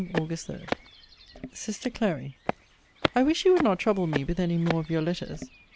AUG. 3. SISTER CLARY, I wish you would not trouble me with any more of your letters.